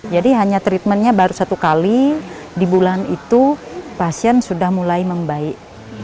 jadi hanya treatmentnya baru satu kali di bulan itu pasien sudah mulai membaik